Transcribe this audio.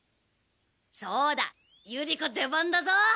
そうだユリコ出番だぞ！